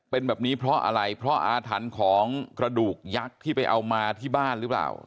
เป็นแบบนี้เพราะอะไรเพราะอาถรรพ์ของกระดูกยักษ์ที่ไปเอามาที่บ้านหรือเปล่า